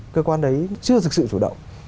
cơ quan đấy chưa thực sự chủ động